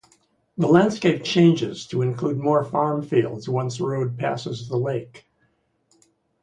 The landscape changes to include more farm fields once road passes the lake.